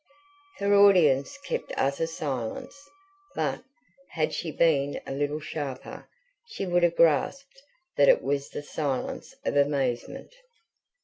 Her audience kept utter silence; but, had she been a little sharper, she would have grasped that it was the silence of amazement.